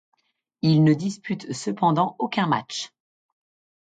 Il ne dispute cependant aucun match.